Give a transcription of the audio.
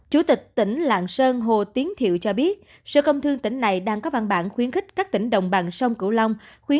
chủ tịch tỉnh lạng sơn hồ tiến thiệu cho biết sở công thương tỉnh này đang có văn bản khuyến khích các tỉnh đồng bằng sông cửu long